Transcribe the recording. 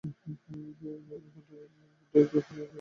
এখন ফিমার ডিরেক্টরের সাথে আমাকে জরুরী বৈঠকে বসতে হবে।